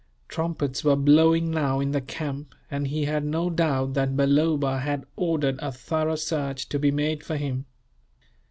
Trumpets were blowing now in the camp, and he had no doubt that Balloba had ordered a thorough search to be made for him.